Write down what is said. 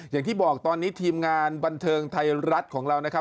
อย่างที่บอกตอนนี้ทีมงานบันเทิงไทยรัฐของเรานะครับ